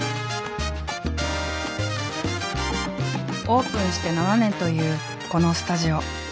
オープンして７年というこのスタジオ。